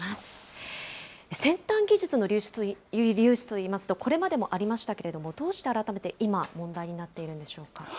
先端技術の流出といいますと、これまでもありましたけれども、どうして、改めて今、問題になっているんでしょうか。